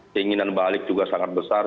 keinginan balik juga sangat besar